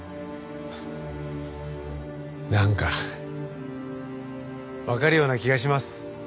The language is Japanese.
なんかわかるような気がします。